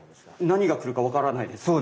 何が来るか分からないですよね？